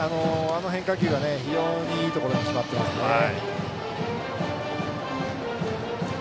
あの変化球は非常にいいところに決まっていますね。